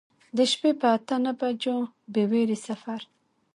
د شپې په اته نهه بجو بې ویرې سفر.